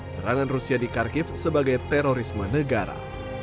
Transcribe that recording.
serangan rusia di kharkiv sebagai terorisme negara